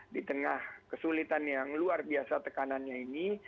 di tengah kesulitan yang luar biasa tekanannya ini